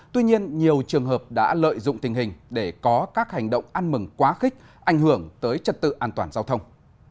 tuy nhiên nhiều trường hợp đã lợi dụng tình hình để có các hành động ăn mừng quá khích ảnh hưởng tới trật tự an toàn giao thông